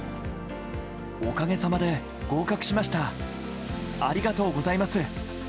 おかげ様で合格しましたありがとうございます。